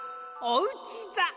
おうちざ！